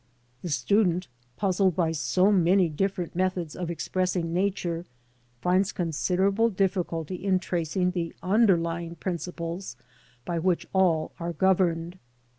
ix The student, puzzled by so many different methods of expressing Nature, finds considerable difficulty in tracing the underlying prin ciples by which all are governed.